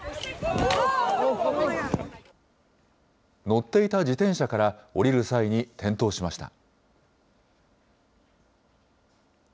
乗っていた自転車から、降りる際に転倒しました。